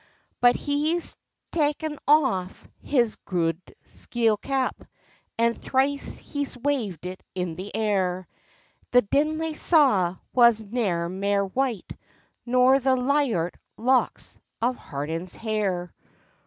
But he's ta'en aff his gude steel cap, And thrice he's waved it in the air— The Dinlay snaw was ne'er mair white, Nor the lyart locks of Harden's hair.